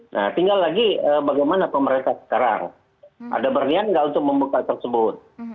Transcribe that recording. nah tinggal lagi bagaimana pemerintah sekarang ada berniat nggak untuk membuka tersebut